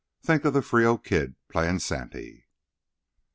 Think of the Frio Kid playing Santy!"